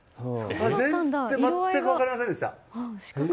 全然、全く分かりませんでした。